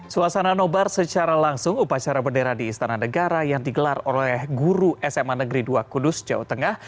suasana nobar secara langsung upacara bendera di istana negara yang digelar oleh guru sma negeri dua kudus jawa tengah